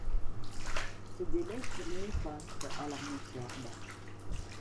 Ces délais furent néfastes à l'armée serbe.